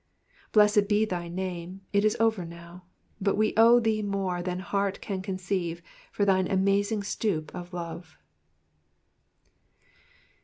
Blessed be thy name it is over now, but we owe thee more than heart can conceive for thine amazing stoop of love.